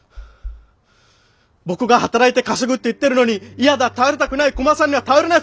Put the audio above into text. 僕が働いて稼ぐって言ってるのに「嫌だ頼りたくないクマさんには頼れない」